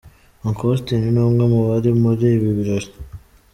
Uncle Austin ni umwe mu bari muri ibi birori.